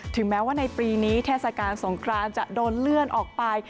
แม้ว่าในปีนี้เทศกาลสงครานจะโดนเลื่อนออกไป